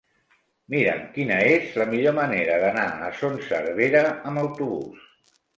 Mira'm quina és la millor manera d'anar a Son Servera amb autobús.